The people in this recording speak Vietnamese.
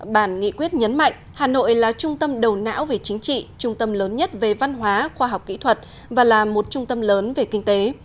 bản nghị quyết nhấn mạnh hà nội là trung tâm đầu não về chính trị trung tâm lớn nhất về văn hóa khoa học kỹ thuật và là một trung tâm lớn về kinh tế